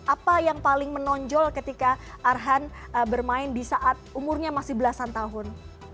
apa yang paling menonjol ketika arhan bermain di saat umurnya masih belasan tahun